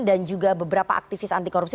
dan juga beberapa aktivis anti korupsi